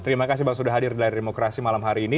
terima kasih bang sudah hadir di layar demokrasi malam hari ini